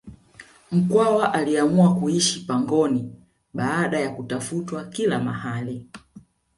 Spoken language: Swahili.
mkwawa aliamua kuishi pangoni baada ya kutafutwa kila mahali